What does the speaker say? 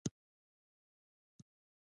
د بدن په ژبې ترې ویل کیږي.